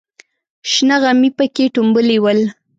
شنه غمي پکې ټومبلې ول.